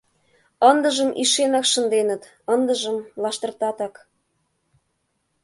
Ындыжым ишенак шынденыт, ындыжым лаштыртатак...